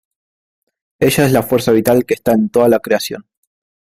Ella es la fuerza vital que está en toda la creación.